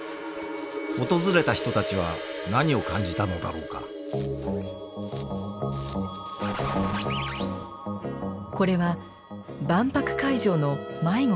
訪れた人たちは何を感じたのだろうかこれは万博会場の迷子の映像。